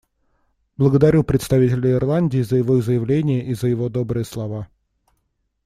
Благодарю представителя Ирландии за его заявление и за его добрые слова.